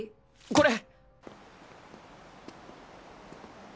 これ。